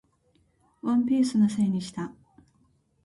ワンピースのせいにした